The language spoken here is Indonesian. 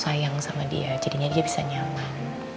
sayang sama dia jadinya dia bisa nyaman